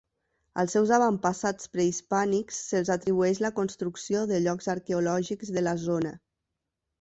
Als seus avantpassats prehispànics se'ls atribueix la construcció de llocs arqueològics de la zona.